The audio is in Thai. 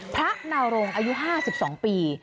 นาโรงอายุ๕๒ปี